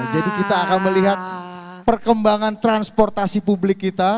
jadi kita akan melihat perkembangan transportasi publik kita